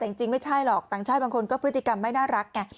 แต่จริงไม่ใช่หรอกต่างชาติบางคนก็พฤติกรรมไม่น่ารักไง